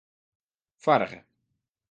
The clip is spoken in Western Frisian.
Foarige.